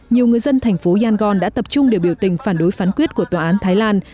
nhiều người dân thành phố yangon đã tập trung để biểu tình phản đối phán quyết của tòa án thái lan